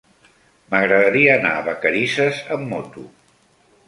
M'agradaria anar a Vacarisses amb moto.